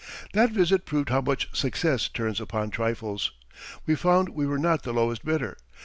That visit proved how much success turns upon trifles. We found we were not the lowest bidder.